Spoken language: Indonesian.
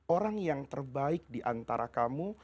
orang yang terbaik diantara kamu